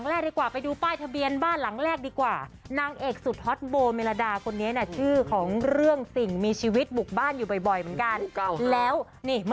เลขทะเบียนบ้านเหรออยู่อยู่อยู่อยู่อยู่อยู่อยู่อยู่อยู่อยู่อยู่